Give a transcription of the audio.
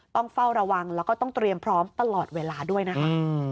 ต้องเฝ้าระวังแล้วก็ต้องเตรียมพร้อมตลอดเวลาด้วยนะคะ